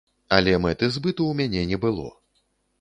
Але мэты збыту ў мяне не было.